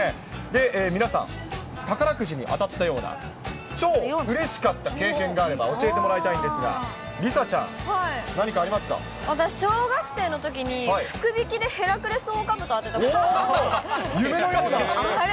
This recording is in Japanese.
皆さん、宝くじに当たったような、超うれしかった経験があれば教えてもらいたいんですが、梨紗ちゃ私、小学生のときに、福引きでヘラクレスオオカブト当てたことあります。